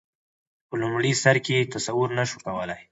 په لومړي سر کې تصور نه شو کولای.